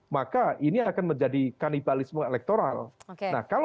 maka ini akan menjadi kanibalisme elektoral